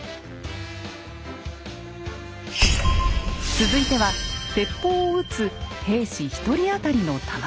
続いては鉄砲を撃つ兵士１人あたりの弾数。